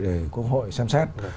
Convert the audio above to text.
để quốc hội xem xét